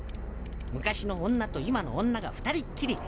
昔の女と今の女が２人きり。